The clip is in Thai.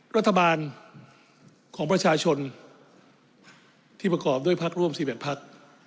รัฐบาลของประชาชนที่ประกอบด้วยพักร่วม๑๑พัก